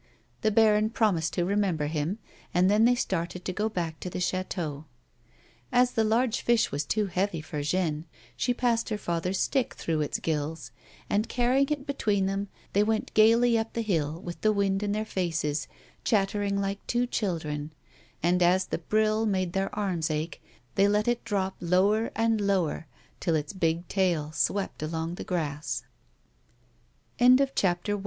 The baron promised to remember him, and then they started to go back to the chateau. As the large fish was too heavy for Jeanne, she passed her father's stick through its gills, and carrying it between them, they went gaily up the hill, with the wind in their faces, chattering like two children ; and as the brill made their arms ache, they let it drop lower and lower till its big tail s